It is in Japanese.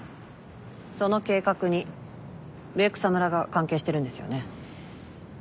その計画に上草村が関係してるんですよね？